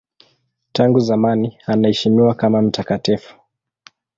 Tangu zamani anaheshimiwa kama mtakatifu.